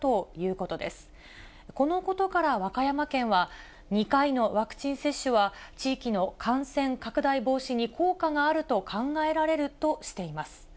このことから、和歌山県は、２回のワクチン接種は地域の感染拡大防止に効果があると考えられるとしています。